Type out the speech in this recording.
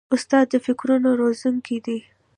استاد د فکرونو روزونکی دی.